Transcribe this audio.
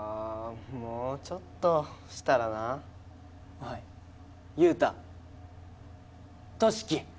もうちょっとしたらなおい裕太俊樹